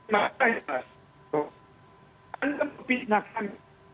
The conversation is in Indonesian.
makanya anda mempitnakan